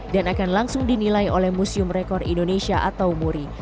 dan akan langsung dinilai oleh museum rekor indonesia atau muri